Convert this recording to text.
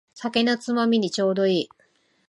酒のつまみにちょうどいい